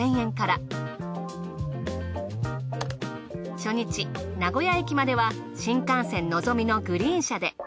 初日名古屋駅までは新幹線のぞみのグリーン車で。